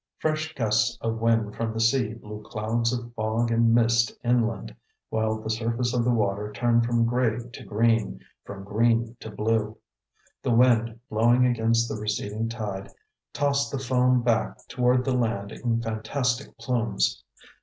Fresh gusts of wind from the sea blew clouds of fog and mist inland, while the surface of the water turned from gray to green, from green to blue. The wind, blowing against the receding tide, tossed the foam back toward the land in fantastic plumes.